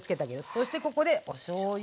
そしてここでおしょうゆ。